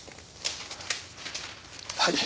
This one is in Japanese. はい。